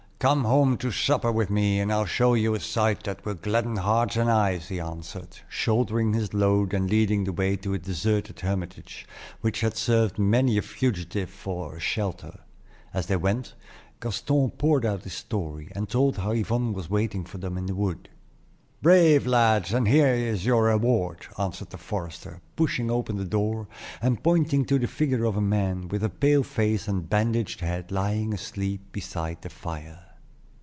Come home to supper with me, and I'll show you a sight that will gladden hearts and eyes," he answered, shouldering his load and leading the way to a deserted hermitage, which had served many a fugitive for a shelter. As they went, Gaston poured out his story, and told how Yvonne was waiting for them in the wood. "Brave lads! and here is your reward," answered the forester, pushing open the door and pointing to the figure of a man, with a pale face and bandaged head, lying asleep beside the fire.